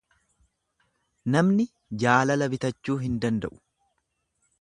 Namni jaalala bitachuu hin danda'u.